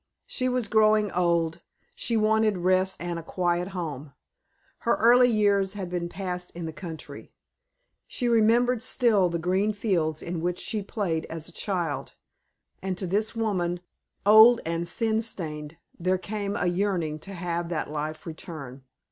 She was growing old; she wanted rest and a quiet home. Her early years had been passed in the country. She remembered still the green fields in which she played as a child, and to this woman, old and sin stained, there came a yearning to have that life return.